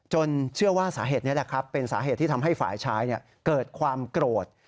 เชื่อว่าสาเหตุนี้แหละครับเป็นสาเหตุที่ทำให้ฝ่ายชายเกิดความโกรธ